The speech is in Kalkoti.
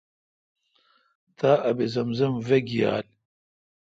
تا آب زمزم وئ گیال۔